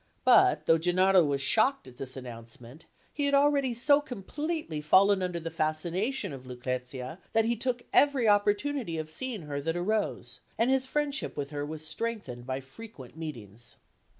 But, though Gennaro was shocked at this announcement, he had already so completely fallen under the fascination of Lucrezia that he took every opportunity of seeing her that arose; and his friendship with her was strengthened by frequent meetings.